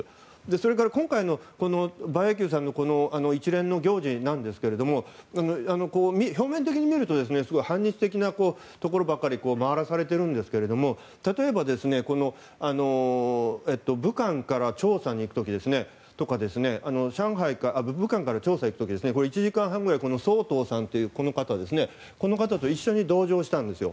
それから今回の馬英九さんの一連の行事ですが表面的にみるとすごく反日的なところばかり回らされているんですけど例えば、武漢から長沙へ行く時とかは１時間半ぐらいこの方と一緒に同乗したんですよ。